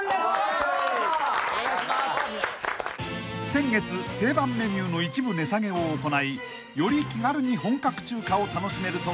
［先月定番メニューの一部値下げを行いより気軽に本格中華を楽しめると話題の］